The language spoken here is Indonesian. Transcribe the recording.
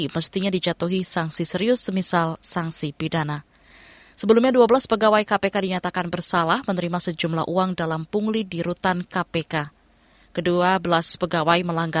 pertama kali kita berrahweran